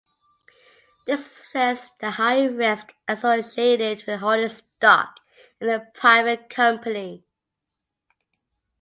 This reflects the higher risk associated with holding stock in a private company.